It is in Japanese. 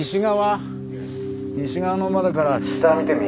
西側の窓から下見てみ。